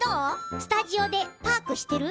スタジオでパークしてる？